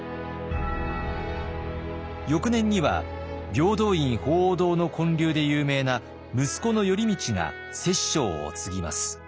翌年には平等院鳳凰堂の建立で有名な息子の頼通が摂政を継ぎます。